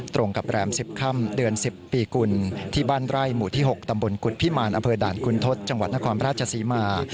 ตรงกับแรม๑๐ค่ำเดือน๑๐ปีกุลที่บ้านไร่หมู่ที่๖ตำบลกุฎพิมารอำเภอด่านคุณทศจังหวัดนครราชศรีมา